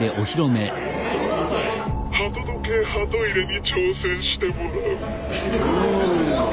「鳩時計ハト入れに挑戦してもらう」。